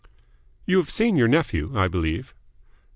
"You have seen your nephew, I believe?"